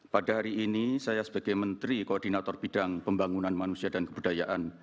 pada hari ini saya sebagai menteri koordinator bidang pembangunan manusia dan kebudayaan